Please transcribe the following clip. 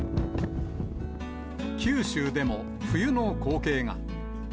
九州でも、冬の光景が。